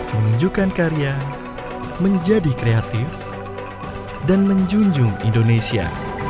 menunjukkan karya menjadi kreatif dan menjunjung indonesia